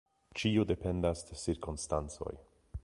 Ĉio dependas de cirkonstancoj.